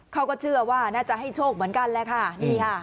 เขาก็เชื่อว่าน่าจะให้โชคเหมือนกันแหละค่ะนี่ค่ะ